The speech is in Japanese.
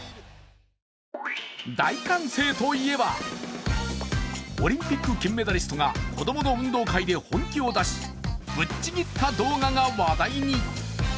大歓声といえばオリンピック金メダリストが子供の運動会で本気を出しぶっちぎった動画が話題に。